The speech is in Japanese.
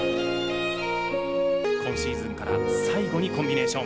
今シーズンから最後にコンビネーション。